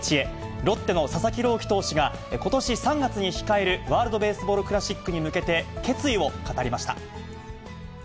ロッテの佐々木朗希投手が、ことし３月に控えるワールドベースボールクラシックに向けて、決意を語りました。